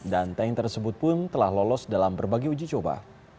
dan tank tersebut pun telah lolos dalam berbagai uji coba